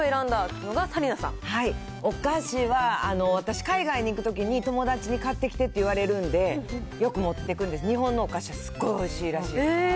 お菓子は、私、海外に行くときに、友達に買ってきてって言われるんで、よく持ってくんです、日本のお菓子すっごいおいしいらしい。